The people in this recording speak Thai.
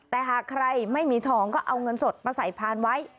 แต่หากใครไม่มีทองก็เอาเงินสดมาใส่พานไว้